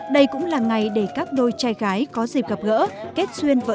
đây cũng là ngày để các đôi trai gái có dịp gặp gỡ